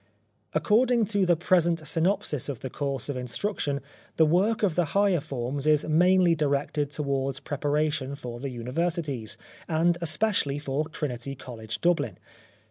According to the present synopsis of the course of instruction the work of the higher forms is mainly directed towards pre paration for the universities, and especially for Trinity College, DubHn.